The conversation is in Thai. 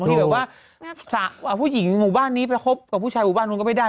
ที่แบบว่าผู้หญิงหมู่บ้านนี้ไปคบกับผู้ชายหมู่บ้านนู้นก็ไม่ได้